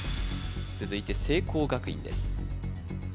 続いて聖光学院です